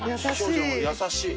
優しい。